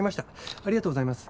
ありがとうございます。